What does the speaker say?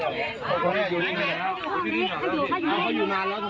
ไม่มีนายจ้างไม่มีผ่านอีกเป็นไปไม่ได้